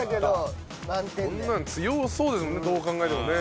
こんなん強そうですもんねどう考えてもね。